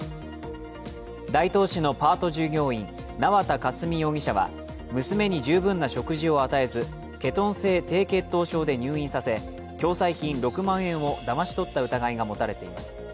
大東市のパート従業員、縄田佳純容疑者は、娘に十分な食事を与えずケトン性低血糖症で入院させ共済金６万円をだまし取った疑いが持たれています。